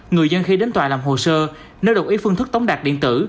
người dân khi đến tòa làm hồ sơ nếu đồng ý phương thức tống đạt điện tử